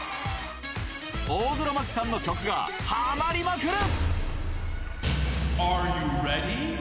大黒摩季さんの曲がはまりまくる。